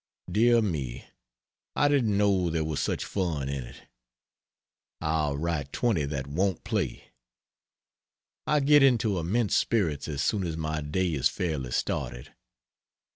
Dear me, I didn't know there was such fun in it. I'll write twenty that won't play. I get into immense spirits as soon as my day is fairly started.